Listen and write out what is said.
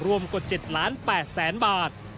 รวมกว่า๗ล้าน๘แสนบาท